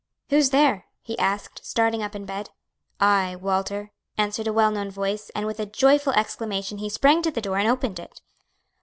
"Who's there?" he asked, starting up in bed. "I, Walter," answered a well known voice, and with a joyful exclamation he sprang to the door, and opened it.